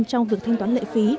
trong việc thanh toán lệ phí